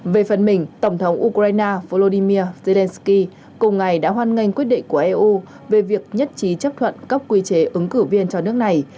về phần mình tổng thống ukraine volodymyr zelensky cùng ngày đã hoan nghênh quyết định của eu về việc nhất trí chấp thuận các quy chế ứng cử viên cho nước này